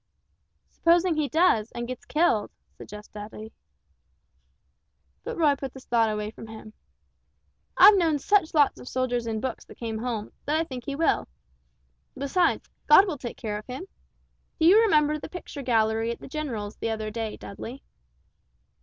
"Supposing if he does, and gets killed?" suggested Dudley. But Roy put this thought away from him. "I've known such lots of soldiers in books that come home, that I think he will. Besides God will take care of him. Do you remember the picture gallery at the general's the other day, Dudley?"